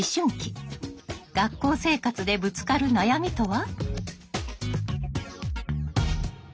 学校生活でぶつかる悩みとは？